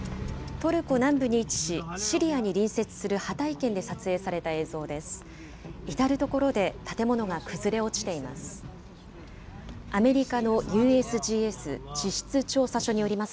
トルコ南部に位置し、シリアに隣接するハタイ県で撮影された映像です。